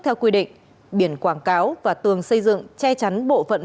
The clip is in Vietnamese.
theo quy định biển quảng cáo và tường xây dựng che chắn bộ phận